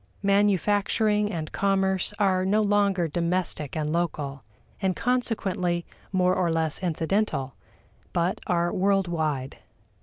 Manufacturing and commerce are no longer domestic and local, and consequently more or less incidental, but are world wide.